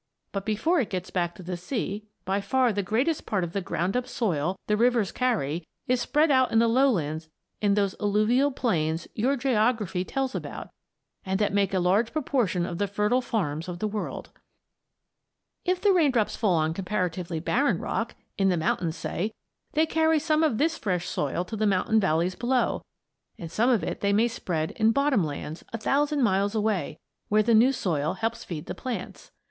But before it gets back to the sea, by far the greatest part of the ground up soil the rivers carry is spread out in the lowlands in those "alluvial plains" your geography tells about and that make a large proportion of the fertile farms of the world. If the raindrops fall on comparatively barren rock in the mountains, say they carry some of this fresh soil to the mountain valleys below, and some of it they may spread in bottom lands a thousand miles away, where the new soil helps feed the plants.